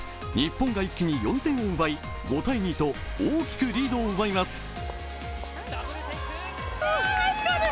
日本が一気に４点を奪い５−２と大きくリードを奪います。